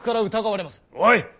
おい！